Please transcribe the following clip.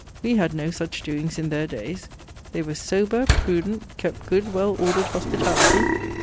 We had no such doings in their daies. They were sober, prudent; kept good well ordered hospitality.